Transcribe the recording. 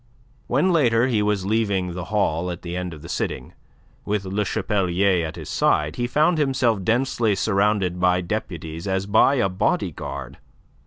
When later he was leaving the hall at the end of the sitting, with Le Chapelier at his side, he found himself densely surrounded by deputies as by a body guard.